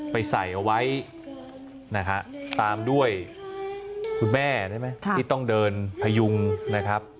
ใส่เอาไว้นะฮะตามด้วยคุณแม่ได้ไหมที่ต้องเดินพยุงนะครับ